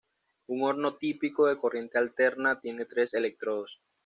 Un horno típico de corriente alterna tiene tres electrodos.